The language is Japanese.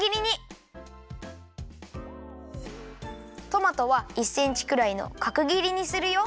トマトは１センチくらいのかくぎりにするよ。